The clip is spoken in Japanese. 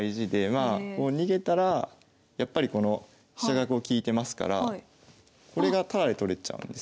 まあこう逃げたらやっぱりこの飛車がこう利いてますからこれがタダで取れちゃうんですね。